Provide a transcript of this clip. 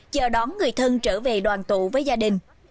chờ đón người thân trở về đoàn tụ với gia đình